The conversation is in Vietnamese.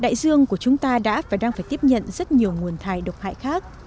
đại dương của chúng ta đã và đang phải tiếp nhận rất nhiều nguồn thải độc hại khác